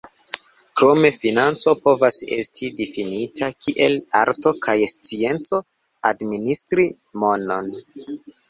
Krome financo povas esti difinita kiel "arto kaj scienco administri monon.